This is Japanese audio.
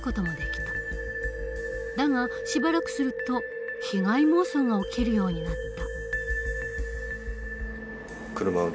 だがしばらくすると被害妄想が起きるようになった。